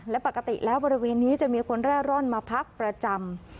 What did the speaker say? และปกติแล้วบริเวณนี้จะมีคนแร่มมาพักประจำ